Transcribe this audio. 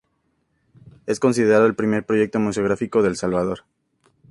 Es considerado el primer proyecto museográfico de El Salvador.